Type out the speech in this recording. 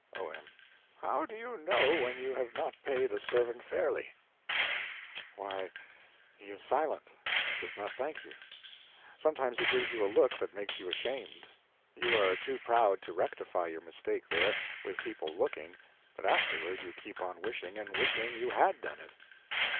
O.M. How do you know when you have not paid a servant fairly? Y.M. Why, he is silent; does not thank you. Sometimes he gives you a look that makes you ashamed. You are too proud to rectify your mistake there, with people looking, but afterward you keep on wishing and wishing you had done it.